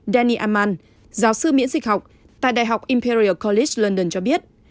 danny amman giáo sư miễn dịch học tại đại học imperial college london cho biết